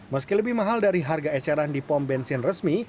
meski lebih mahal dari harga eceran di pom bensin resmi